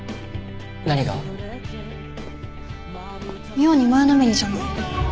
妙に前のめりじゃない？